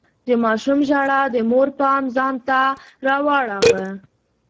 د ماشوم ژړا د مور پام ځان ته راواړاوه.